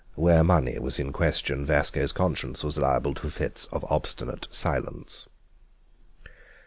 Where money was in question Vasco's conscience was liable to fits of obstinate silence.